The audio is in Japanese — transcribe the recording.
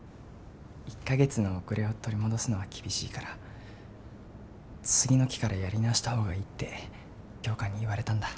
１か月の遅れを取り戻すのは厳しいから次の期からやり直した方がいいって教官に言われたんだ。